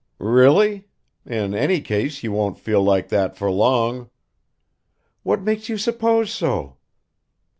"Really? In any case you won't feel like that for long." "What makes you suppose so?"